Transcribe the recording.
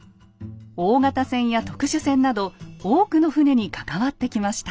大型船や特殊船など多くの船に関わってきました。